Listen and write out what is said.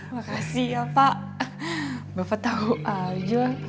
makasih ya pak bapak tahu aja